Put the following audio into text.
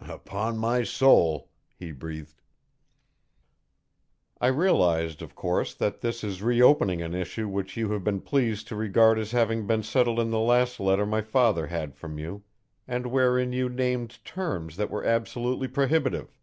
"Upon my soul!" he breathed. "I realized, of course, that this is reopening an issue which you have been pleased to regard as having been settled in the last letter my father had from you, and wherein you named terms that were absolutely prohibitive."